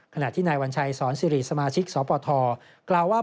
ขณะที่นายวัญชัยสอนสิริสมาชิกสปทกล่าวว่า